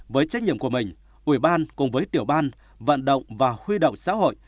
với trách nhiệm của mình ủy ban cùng với tiểu ban vận động và huy động xã hội